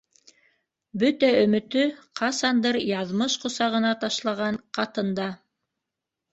Бөтә өмөтө - ҡасандыр яҙмыш ҡосағына ташлаған ҡатында.